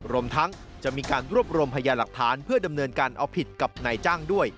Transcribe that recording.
รวมทั้งจะมีการรวบรวมพยาหลักฐานเพื่อดำเนินการเอาผิดกับนายจ้างด้วย